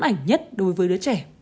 nơi ám ảnh nhất đối với đứa trẻ